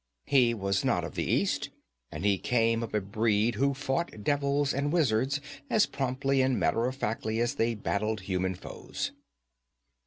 He was not of the East; and he came of a breed who fought devils and wizards as promptly and matter of factly as they battled human foes.